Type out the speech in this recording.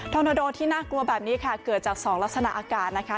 อนาโดที่น่ากลัวแบบนี้ค่ะเกิดจากสองลักษณะอากาศนะคะ